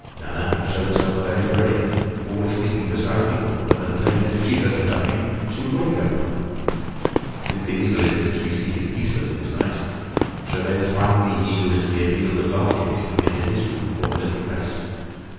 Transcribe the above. Nana had showed herself very brave, always sleeping beside the old woman, and saying that if she heard her dying, she would wake everyone. Since the invalid seemed to be sleeping peacefully this night, Gervaise finally yielded to the appeals of Lantier to come into his room for a little rest.